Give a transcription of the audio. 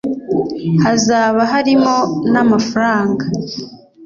hazaba harimo n’amafaranga